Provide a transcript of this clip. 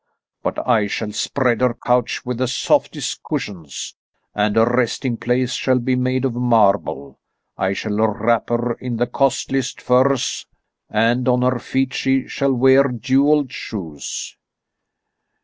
But I shall spread her couch with the softest cushions, and her resting place shall be made of marble. I shall wrap her in the costliest furs, and on her feet she shall wear jewelled shoes."